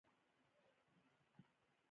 د ساعت زنګ ږغ وخت را په یادوي.